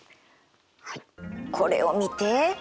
はいこれを見て。